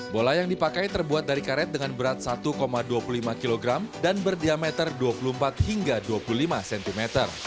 bola yang dipakai terbuat dari karet dengan berat satu dua puluh lima kg dan berdiameter dua puluh empat hingga dua puluh lima cm